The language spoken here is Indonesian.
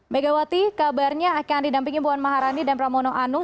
megawati kabarnya akan didampingi puan maharani dan pramono anung